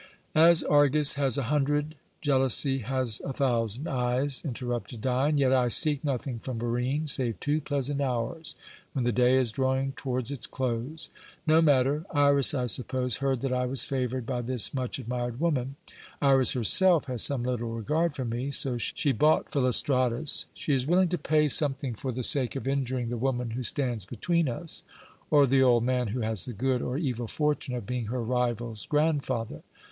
"As Argus has a hundred, jealousy has a thousand eyes," interrupted Dion, "yet I seek nothing from Barine, save two pleasant hours when the day is drawing towards its close. No matter; Iras, I suppose, heard that I was favoured by this much admired woman. Iras herself has some little regard for me, so she bought Philostratus. She is willing to pay something for the sake of injuring the woman who stands between us, or the old man who has the good or evil fortune of being her rival's grandfather.